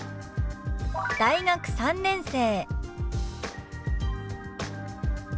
「大学３年生」。